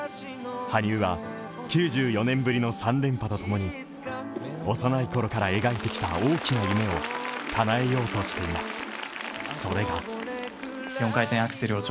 羽生は９４年ぶりの３連覇とともに幼いころから描いてきた大きな夢をかなえようとしています。